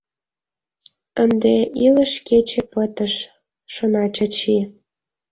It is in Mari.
«Ынде илыш кече пытыш, — шона Чачи.